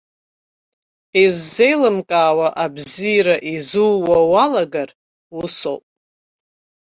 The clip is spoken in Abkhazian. Иззеилымкаауа абзиара изууа уалагар усоуп.